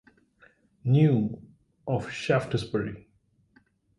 New of Shaftesbury.